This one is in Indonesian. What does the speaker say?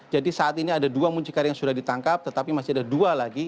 jadi saat ini ada dua muncikari yang sudah ditangkap tetapi masih ada dua lagi